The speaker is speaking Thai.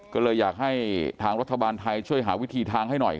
ก็เลยอยากให้ทางรัฐบาลไทยช่วยหาวิธีทางให้หน่อย